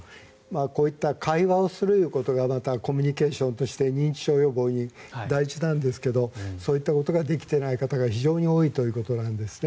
こういった会話をすることがコミュニケーションとして認知症予防に大事なんですがそういったことができていない方が非常に多いということなんですね。